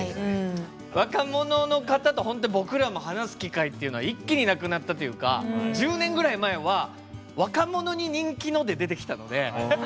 若者の方と本当に僕らも話す機会っていうのは一気になくなったというか１０年ぐらい前は「若者に人気の」で出てきたので。